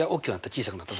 小さくなった。